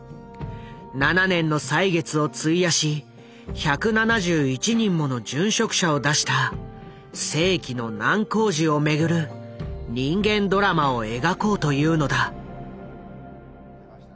７年の歳月を費やし１７１人もの殉職者を出した「世紀の難工事」を巡る人間ドラマを描こうというのだ。